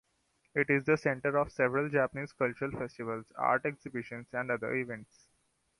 It is the center of several Japanese cultural festivals, art exhibitions, and other events.